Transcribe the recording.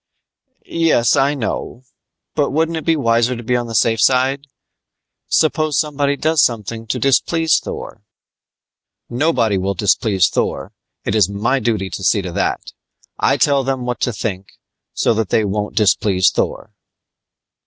"Yes, I know, but wouldn't it be wiser to be on the safe side? Suppose somebody does something to displease Thor?" "Nobody will displease Thor! It is my duty to see to that! I tell them what to think, so that they won't displease Thor."